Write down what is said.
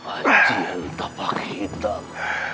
ajihan tapak hitam